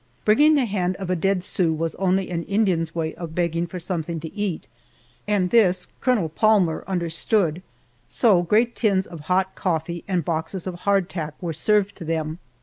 Bringing the hand of a dead Sioux was only an Indian's way of begging for something to eat, and this Colonel Palmer understood, so great tin cups of hot coffee and boxes of hard tack were served to them.